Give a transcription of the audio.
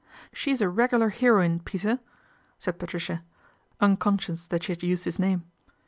She's a regular heroine, Peter," said Patricia, mconscious that she had used his name.